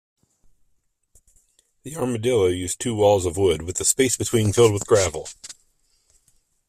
The Armadillo used two walls of wood, with the space between filled with gravel.